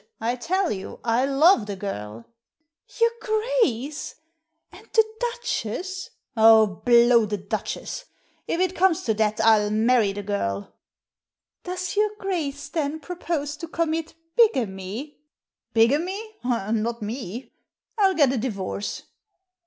I tell you I love the girl" " Your Grace ! And the Duchess ?"Oh, blow the Duchess ! If it comes to that, 111 marry the girl." " Does your Grace, then, propose to commit bigamy?*' "Bigamy? Not me! Ill get a divorce."